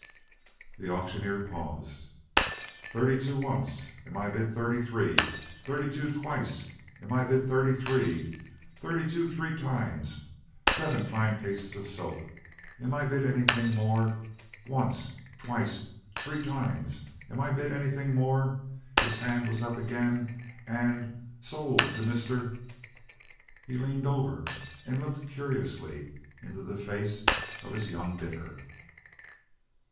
The auctioneer paused. "Thirty two once! Am I bid thirty three? Thirty two twice! Am I bid thirty three? Thirty two three times! Seven fine cases of soap. Am I bid anything more? Once, twice! Three times! Am I bid anything more?"—his hand was up again—"and sold to Mr.—?" He leaned over and looked curiously into the face of his young bidder.